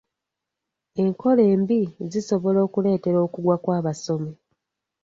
Enkola embi zisobola okuleetera okugwa kw'abasomi.